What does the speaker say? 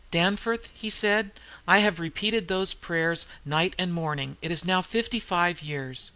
'Danforth,' said he, 'I have repeated those prayers night and morning, it is now fifty five years.'